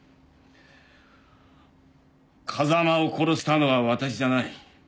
風間を殺したのは私じゃない。